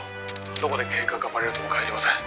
「どこで計画がバレるとも限りません」